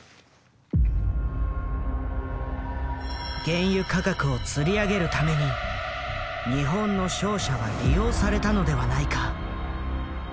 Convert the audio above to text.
原油価格をつり上げるために日本の商社は利用されたのではないか？